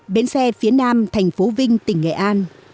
bến xe phía nam thành phố vinh tỉnh nghệ an